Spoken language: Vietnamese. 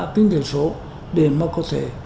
kinh tế số để mà có thể